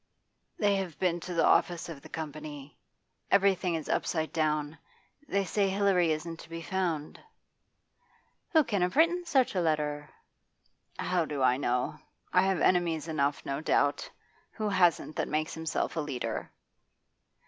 'They have been to the office of the Company. Everything is upside down. They say Hilary isn't to be found.' 'Who can have written such a letter?' 'How do I know? I have enemies enough, no doubt. Who hasn't that makes himself a leader?